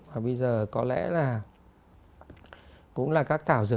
và bây giờ có lẽ là cũng là các thảo dược